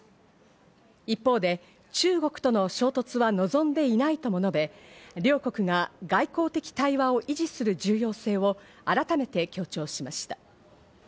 一方で中国との衝突は望んでいないとも述べ、両国が外交的対話を維持する重要性を改めて強調しました。